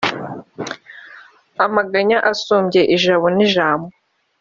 amaganya asumbye ijabo n’ijambo !